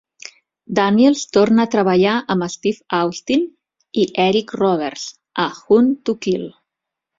Daniels torna a treballar amb Steve Austin i Eric Roberts a Hunt to Kill.